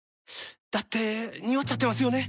だってニオっちゃってますよね。